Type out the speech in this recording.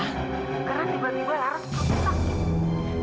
karena di bandung laras kamu bisa